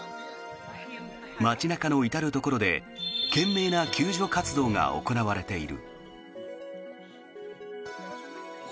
街中の至るところで懸命な救助作業が行われている。